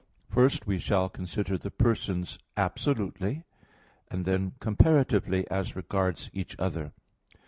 First, we shall consider the persons absolutely, and then comparatively as regards each other.